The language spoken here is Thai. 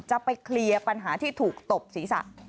จะไปเคลียร์ปัญหาที่ถูกตบศีรษะ